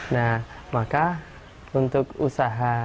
nah maka untuk usaha